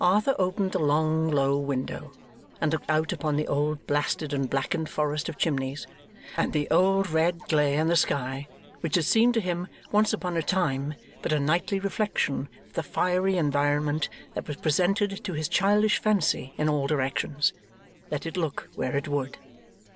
Arthur opened the long low window, and looked out upon the old blasted and blackened forest of chimneys, and the old red glare in the sky, which had seemed to him once upon a time but a nightly reflection of the fiery environment that was presented to his childish fancy in all directions, let it look where it would.